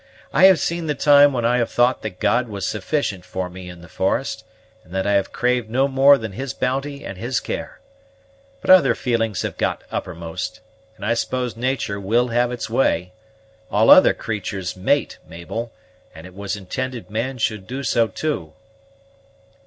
I have seen the time when I have thought that God was sufficient for me in the forest, and that I have craved no more than His bounty and His care. But other feelings have got uppermost, and I suppose natur' will have its way. All other creatur's mate, Mabel, and it was intended man should do so too."